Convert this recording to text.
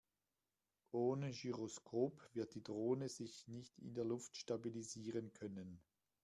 Ohne Gyroskop wird die Drohne sich nicht in der Luft stabilisieren können.